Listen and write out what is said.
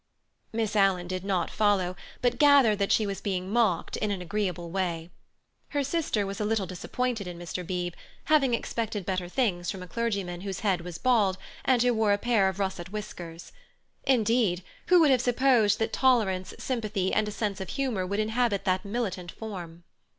'" Miss Alan did not follow, but gathered that she was being mocked in an agreeable way. Her sister was a little disappointed in Mr. Beebe, having expected better things from a clergyman whose head was bald and who wore a pair of russet whiskers. Indeed, who would have supposed that tolerance, sympathy, and a sense of humour would inhabit that militant form?